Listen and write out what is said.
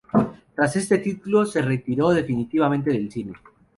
Tras este título se retiró definitivamente del cine.